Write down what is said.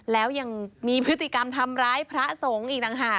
แล้วยังมีพฤติกรรมทำร้ายพระสงฆ์อีกต่างหาก